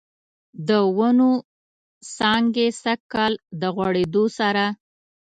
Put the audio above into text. د ونوو څانګې سږکال، د غوړیدو سره